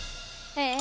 ええ？